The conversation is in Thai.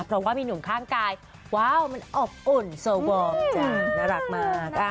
เพราะว่ามีหนุ่มข้างกายว้าวมันอบอุ่นโซวอร์มจ้ะน่ารักมาก